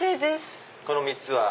この３つは。